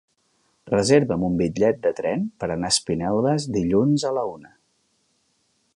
Reserva'm un bitllet de tren per anar a Espinelves dilluns a la una.